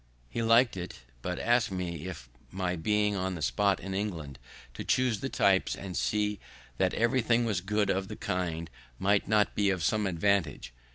He lik'd it, but ask'd me if my being on the spot in England to chuse the types, and see that everything was good of the kind, might not be of some advantage.